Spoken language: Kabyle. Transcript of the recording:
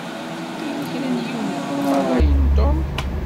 Yella kra n yiwen i yeṭṭalayen Tom.